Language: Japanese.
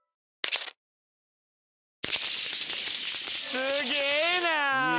すげぇな！